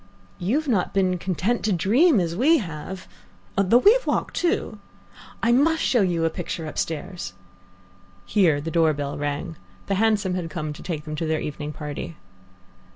"You've not been content to dream as we have " "Though we have walked, too " "I must show you a picture upstairs " Here the door bell rang. The hansom had come to take them to their evening party.